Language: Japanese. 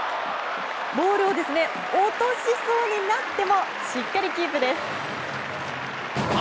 ボールを落としそうになってもしっかりキープです。